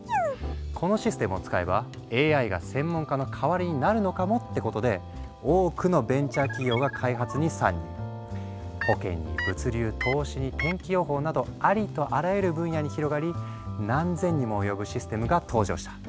このシステムを使えばＡＩが専門家の代わりになるのかもってことで多くのベンチャー企業が開発に参入。などありとあらゆる分野に広がり何千にも及ぶシステムが登場した。